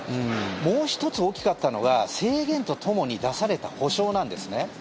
もう１つ大きかったのが制限とともに出された補償なんですね。